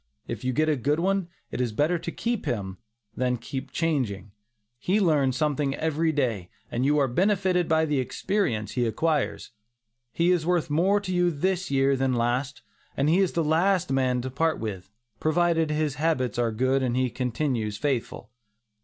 If you get a good one, it is better to keep him, than keep changing. He learns something every day, and you are benefited by the experience he acquires. He is worth more to you this year than last, and he is the last man to part with, provided his habits are good and he continues faithful.